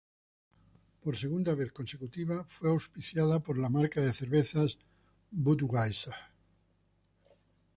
Por segunda vez consecutiva, fue auspiciada por la marca de cervezas Budweiser.